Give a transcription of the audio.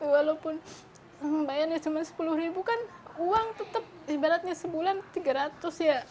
walaupun bayarnya cuma sepuluh ribu kan uang tetap ibaratnya sebulan tiga ratus ya